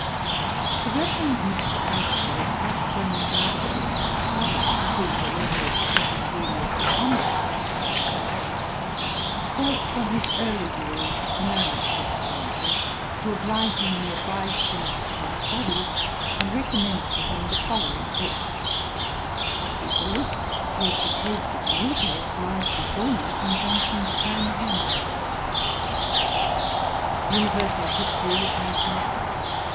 The Reverend Mr. Astle, of Ashbourne, in Derbyshire, brother to the learned and ingenious Thomas Astle, Esq., was from his early years known to Dr. Johnson, who obligingly advised him as to his studies, and recommended to him the following books, of which a list which he has been pleased to communicate, lies before me in Johnson's own hand writing: _Universal History (ancient.)